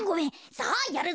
さあやるぞ。